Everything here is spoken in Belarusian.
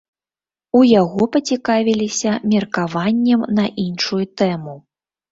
У яго пацікавіліся меркаваннем на іншую тэму.